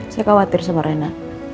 saya khawatir sama renda